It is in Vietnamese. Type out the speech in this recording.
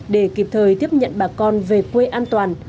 để kịp thời tiếp nhận bà con về quê an toàn